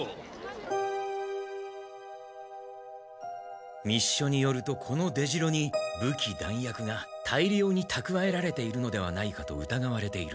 心の声密書によるとこの出城に武器弾薬が大量にたくわえられているのではないかとうたがわれている。